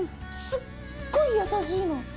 すっごいやさしいの。